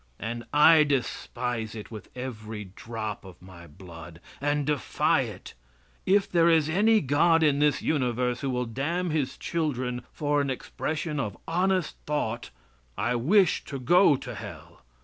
And I despise it with every drop of my blood and defy it. If there is any God in this universe who will damn his children for an expression of an honest thought I wish to go to Hell.